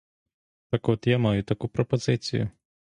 Так от я маю таку пропозицію.